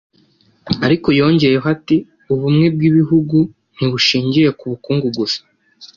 Ariko yongeyeho ati ”Ubumwe bw’ibihugu nti bushingiye ku bukungu gusa